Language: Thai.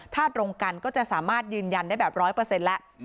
ถ้าตรงกันก็จะสามารถยืนยันได้แบบร้อยเปอร์เซ็นต์แล้วอืม